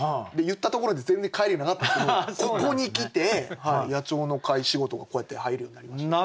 言ったところで全然返りなかったんですけどここに来て野鳥の会仕事がこうやって入るようになりました。